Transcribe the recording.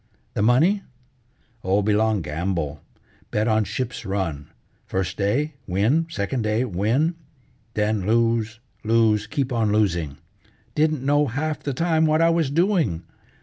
"The money? Oh, belong gamble. Bet on ship's run. First day win. Second day win. Then lose, lose, keep on losing. Didn't know half the time what I was doing.